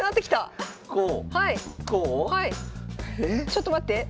ちょっと待って。